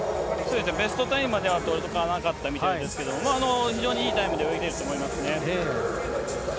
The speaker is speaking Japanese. ベストタイムまではいかなかったみたいですけど、非常にいいタイムで泳いでいると思いますね。